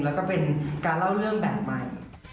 แล้วก็เป็นการเล่าเรื่องแบบใหม่